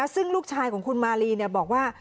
ซึ่งลูกชายของคุณมาลีบอกว่า